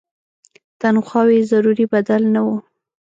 تنخواوې یې ضروري بدل نه وو.